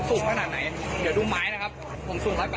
ก็เลยจะเลี้ยวเข้าไปรถมันก็ตกหลุม